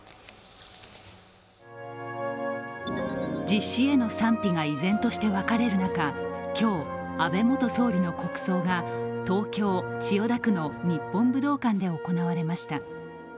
実施への賛否が依然として分かれる中、今日、安倍元総理の国葬が東京・千代田区の日本武道館で行われました。